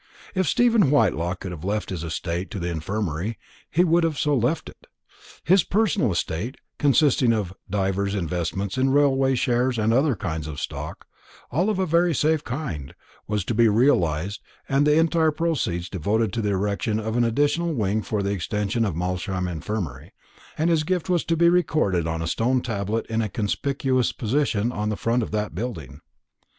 If Stephen Whitelaw could have left his real estate to the Infirmary, he would have so left it. His personal estate, consisting of divers investments in railway shares and other kinds of stock, all of a very safe kind, was to be realized, and the entire proceeds devoted to the erection of an additional wing for the extension of Malsham Infirmary, and his gift was to be recorded on a stone tablet in a conspicuous position on the front of that building.